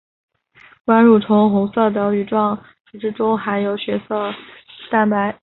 管蠕虫红色的羽状组织中含有血红蛋白。